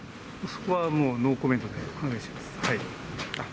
そこはもうノーコメントでお願いします。